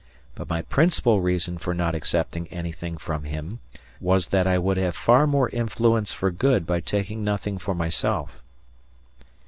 But my principal reason for not accepting anything from him was that I would have far more influence for good by taking nothing for myself."